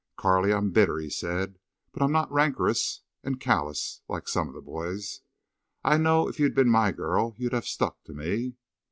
"Carley, I'm bitter," he said, "but I'm not rancorous and callous, like some of the boys. I know if you'd been my girl you'd have stuck to me."